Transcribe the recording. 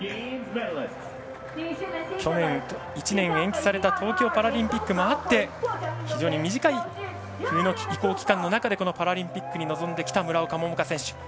去年、１年延期された東京パラリンピックもあって非常に短い、冬の移行期間の中でこのパラリンピックに臨んできた村岡桃佳選手。